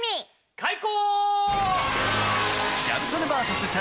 開講！